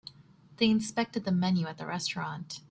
They inspected the menu at the restaurant.